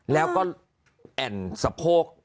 แล้วก็แอ่นสะโพก